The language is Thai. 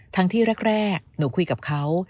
ทั้งที่แรกหนูคุยกับเขา